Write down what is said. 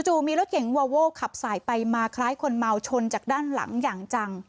มีรถเก๋งวอโว้ขับสายไปมาคล้ายคนเมาชนจากด้านหลังอย่างจัง